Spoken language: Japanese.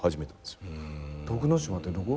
徳之島ってどこ？